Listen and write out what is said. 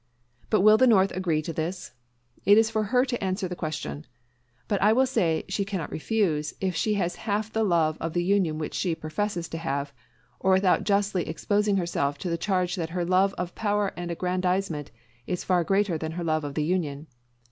But will the North agree to this? It is for her to answer the question. But I will say she cannot refuse, if she has half the love of the Union which she professes to have; or without justly exposing herself to the charge that her love of power and aggrandizement is far greater than her love of the Union.